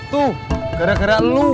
tuh gara gara lu